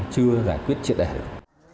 chưa giải quyết triển đề được